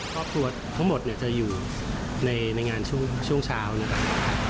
ครอบครัวทั้งหมดเนี่ยจะอยู่ในงานช่วงเช้านะครับ